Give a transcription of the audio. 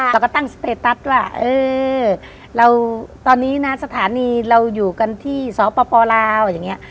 เราก็ตั้งสเตตัสว่าเออเราตอนนี้นะสถานีเราอยู่กันที่สปลาวอย่างนี้